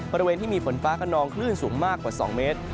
บริเวณที่มีฝนฟ้าขนองคลื่นสูงมากกว่า๒เมตร